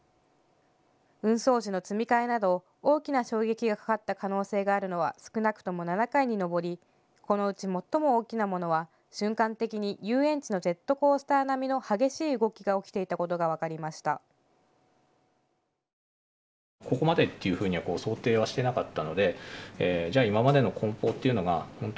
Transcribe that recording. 運送時の積み替えなど大きな衝撃がかかった可能性があるのは少なくとも７回に上り、このうち最も大きなものは瞬間的に遊園地のジェットコースター並みの激しい動きが起きていたことが分かりました。